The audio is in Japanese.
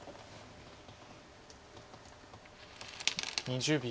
２０秒。